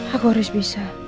aku harus bisa